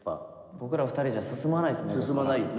僕ら２人じゃ進まないですねこっから。